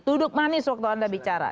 duduk manis waktu anda bicara